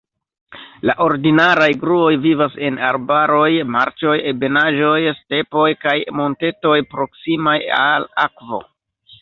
La ordinaraj gruoj vivas en arbaroj, marĉoj, ebenaĵoj, stepoj kaj montetoj proksimaj al akvo.